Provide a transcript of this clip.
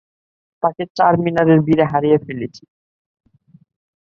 তাকে চারমিনারের ভীড়ে হারিয়ে ফেলেছি।